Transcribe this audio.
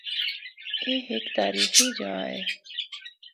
اے ہک تاریخی جا اے۔